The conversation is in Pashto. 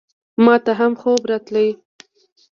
ماته هم خوب راتلی !